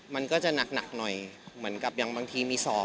มันก็จะหนักหน่อยเหมือนกับอย่างบางทีมีศอก